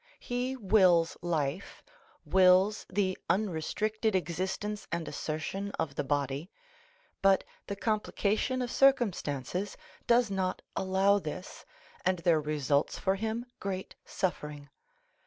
He wills life—wills the unrestricted existence and assertion of the body; but the complication of circumstances does not allow this, and there results for him great suffering.